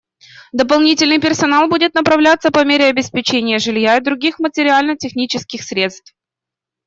Дополнительный персонал будет направляться по мере обеспечения жилья и других материально-технических средств.